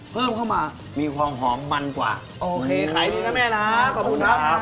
เพิ่มเข้ามามีความหอมมันกว่าโอเคขายดีนะแม่นะขอบคุณครับ